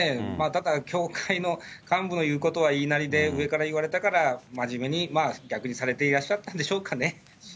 ただ、教会の幹部の言うことは言いなりで、上から言われたから真面目に、逆にされていらっしゃったんでしょうかね。